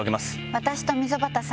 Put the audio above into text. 私と溝端さん